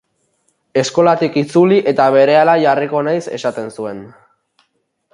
Eskolatik itzuli eta Berehala jarriko naiz esaten zuen.